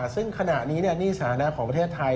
ซึ่งขณะนี้หนี้สาธารณะของประเทศไทย